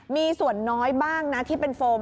มีส่วนน้อยบ้างนะที่เป็นโฟม